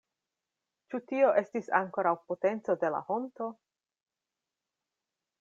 Ĉu tio estis ankoraŭ potenco de la honto?